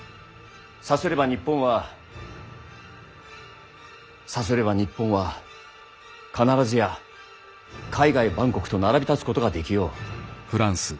さすれば日本はさすれば日本は必ずや海外万国と並び立つことができよう。